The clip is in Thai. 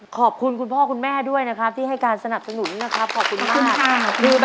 ขอบคุณคุณพ่อคุณแม่ด้วยนะครับที่ให้การสนับสนุนนะครับขอบคุณมาก